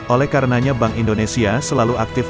oleh karenanya bank indonesia selalu aktif